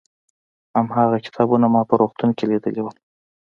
هماغه کتابونه ما په روغتون کې لیدلي وو.